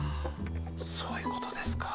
そういうことですか。